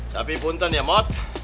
tapi bunten ya mot